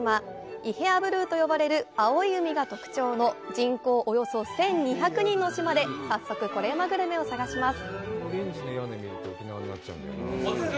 伊平屋ブルーと呼ばれる青い海が特徴の、人口およそ１２００人の島で早速コレうまグルメを探します。